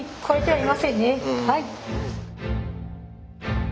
はい。